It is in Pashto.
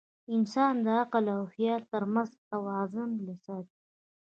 انسان د عقل او خیال تر منځ توازن ساتي.